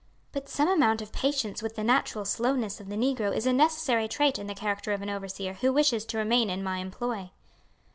"But some amount of patience with the natural slowness of the negro is a necessary trait in the character of an overseer who wishes to remain in my employ."